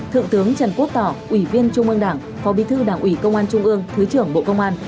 thượng tướng trần quốc tỏ ủy viên trung ương đảng phó bí thư đảng ủy công an trung ương thứ trưởng bộ công an